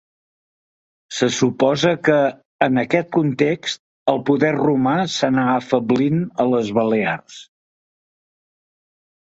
Se suposa que, en aquest context, el poder romà s'anà afeblint a les Balears.